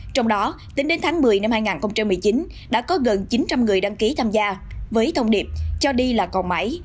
trong đó tính đến tháng một mươi năm hai nghìn một mươi chín đã có gần chín trăm linh người đăng ký tham gia với thông điệp cho đi là còn mãi